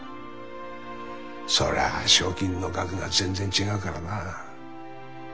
そりゃあ賞金の額が全然違うからな。